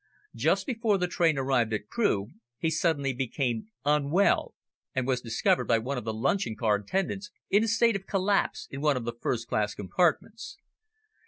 Just before the train arrived at Crewe, he suddenly became unwell, and was discovered by one of the luncheon car attendants in a state of collapse in one of the first class compartments.